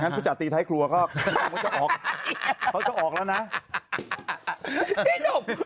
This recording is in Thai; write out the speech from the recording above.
งั้นผู้จัดตีไทยครัวก็เขาจะออกแล้วนะพี่หนุ่ม